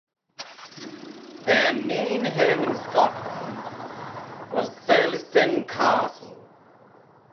Their main home in Scotland was Thirlestane Castle.